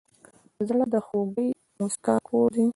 زړه د خوږې موسکا کور دی.